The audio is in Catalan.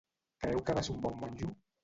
Creu que va ser un bon monjo?